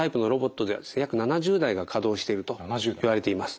約７０台が稼働しているといわれています。